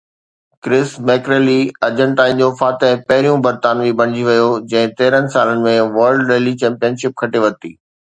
ڪرس ميڪريلي ارجنٽائن جو فاتح پهريون برطانوي بڻجي ويو جنهن تيرهن سالن ۾ ورلڊ ريلي چيمپئن شپ کٽي ورتي